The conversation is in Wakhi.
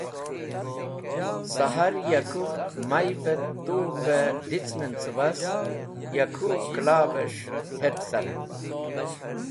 Sahar ya k̃hũ may’v et tug̃h’v e dicn en cẽbas, ya kũ kẽla’ves̃h het̃ caren.